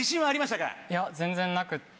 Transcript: いや全然なくって。